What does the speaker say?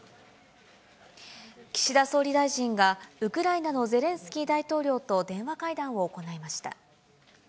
岸田総理大臣がウクライナのゼレンスキー大統領と電話会談を行いました。